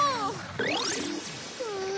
うん。